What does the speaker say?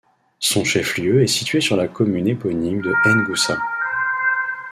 Son chef-lieu est situé sur la commune éponyme de N'Goussa.